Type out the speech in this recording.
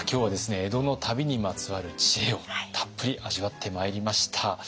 江戸の旅にまつわる知恵をたっぷり味わってまいりました。